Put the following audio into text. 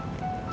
tidak bisa ren